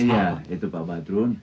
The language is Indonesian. iya itu pak badun